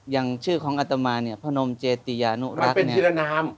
อย่างชื่อของอัตมาเนี่ยพนมเจติญาณุรักษ์หมายเป็นทิรนาม